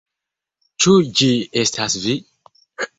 Ĉu ĝi estas vi?